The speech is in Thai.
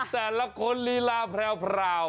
แต่ละคนลีลาแพรว